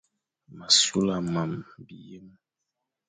M a sula mam, biyem,